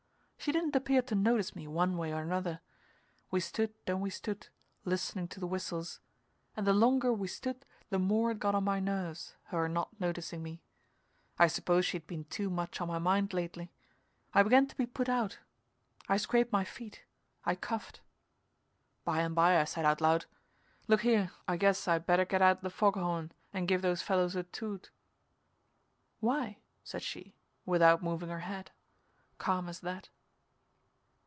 She didn't appear to notice me, one way or another. We stood and we stood, listening to the whistles, and the longer we stood the more it got on my nerves, her not noticing me. I suppose she'd been too much on my mind lately. I began to be put out. I scraped my feet. I coughed. By and by I said out loud: "Look here, I guess I better get out the fog horn and give those fellows a toot." "Why?" said she, without moving her head calm as that.